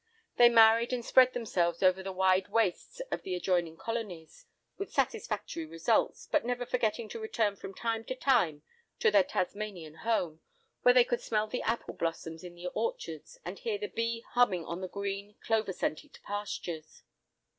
They married and spread themselves over the wide wastes of the adjoining colonies, with satisfactory results, but never forgetting to return from time to time to their Tasmanian home, where they could smell the apple blossoms in the orchards and hear the bee humming on the green, clover scented pastures.